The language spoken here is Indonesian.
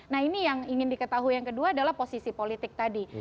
nah ini yang ingin diketahui yang kedua adalah posisi politik tadi